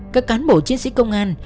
các cán bộ chiến sĩ công an